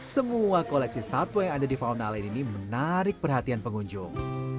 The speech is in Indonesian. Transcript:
semua koleksi satwa yang ada di fauna lane ini menarik perhatian pengunjung